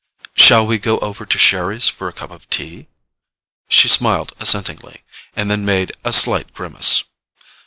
"Shall we go over to Sherry's for a cup of tea?" She smiled assentingly, and then made a slight grimace.